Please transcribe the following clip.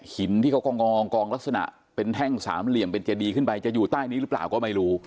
หินที่เขาก็งอกองลักษณะเป็นแท่งสามเหลี่ยมเป็นเจดีขึ้นไปจะอยู่ใต้นี้หรือเปล่าก็ไม่รู้